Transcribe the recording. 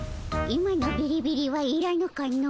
今のビリビリはいらぬかの。